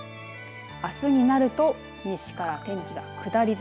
あすになると西から天気が下り坂。